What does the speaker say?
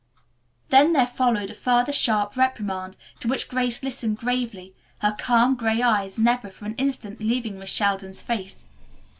Then there followed a further sharp reprimand to which Grace listened gravely, her calm, gray eyes never for an instant leaving Miss Sheldon's face.